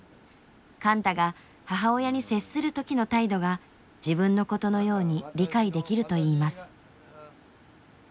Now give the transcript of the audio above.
貫多が母親に接する時の態度が自分のことのように理解できるといいます。